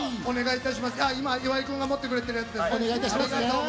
岩井君が持ってくれているやつです。